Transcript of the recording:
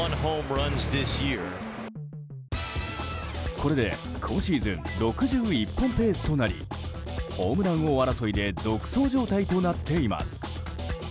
これで今シーズン６１本ペースとなりホームラン王争いで独走状態となっています。